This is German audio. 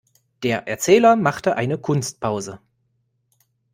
Der Erzähler machte eine Kunstpause.